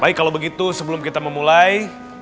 baik kalau begitu sebelum kita memulai